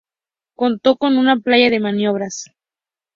Contó con una playa de maniobras.